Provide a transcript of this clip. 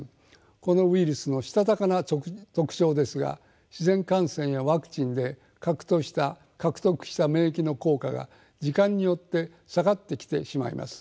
このウイルスのしたたかな特徴ですが自然感染やワクチンで獲得した免疫の効果が時間によって下がってきてしまいます。